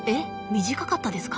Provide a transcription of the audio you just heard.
短かったですか？